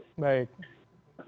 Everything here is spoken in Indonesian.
tidak ada investasi di situ